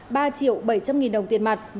ba triệu bảy trăm linh nghìn đồng tiền mặt